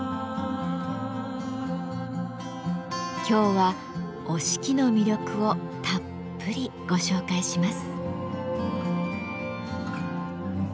今日は折敷の魅力をたっぷりご紹介します。